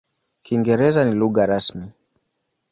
Kiingereza ni lugha rasmi.